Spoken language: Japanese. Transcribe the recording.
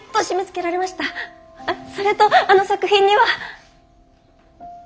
それとあの作品には。